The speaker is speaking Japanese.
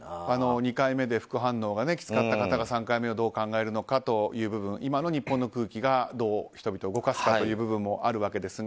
２回目で副反応がきつかった方が３回目をどう考えるのかという部分今の日本の空気がどう人々を動かすかという部分もあるわけですが。